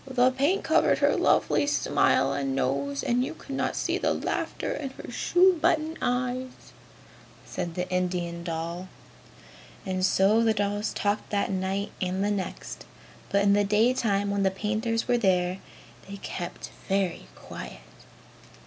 "The paint covered her lovely smile and nose and you could not see the laughter in her shoe button eyes!" said the Indian doll. And so the dolls talked that night and the next. But in the daytime when the painters were there, they kept very quiet.